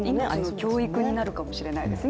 教育になるかもしれないですね。